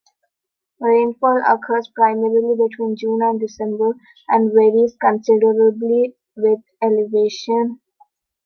Rainfall occurs primarily between June and December and varies considerably with elevation.